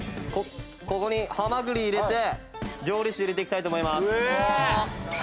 ここにハマグリ入れて料理酒入れていきたいと思います。